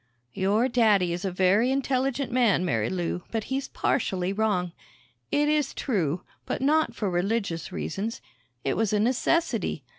"Your daddy is a very intelligent man, Marilou, but he's partially wrong. It is true but not for religious reasons. It was a necessity.